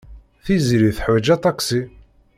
Tiziri teḥwaj aṭaksi.